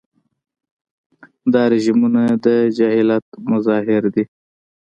دا رژیمونه د جاهلیت مظاهر دي.